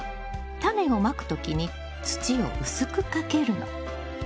タネをまく時に土を薄くかけるの。